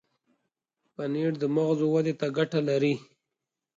پنېر د مغزو ودې ته ګټه لري.